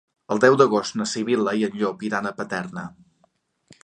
El deu d'agost na Sibil·la i en Llop iran a Paterna.